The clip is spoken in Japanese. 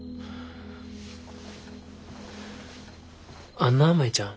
あんな舞ちゃん。